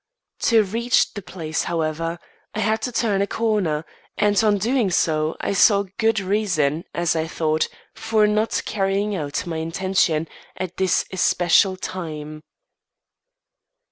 To reach the place, however, I had to turn a corner, and on doing so I saw good reason, as I thought, for not carrying out my intention at this especial time.